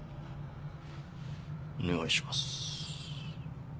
お願いします。